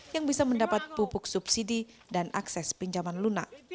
yang bisa mendapat pupuk subsidi dan akses pinjaman lunak